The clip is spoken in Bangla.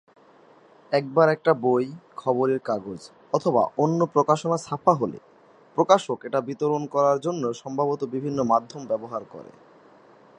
একবার একটা বই, খবরের কাগজ, অথবা অন্য প্রকাশনা ছাপা হলে, প্রকাশক এটা বিতরণ করার জন্যে সম্ভবত বিভিন্ন মাধ্যম ব্যবহার করে।